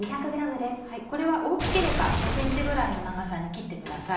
これは大きければ５ｃｍぐらいの長さに切ってください。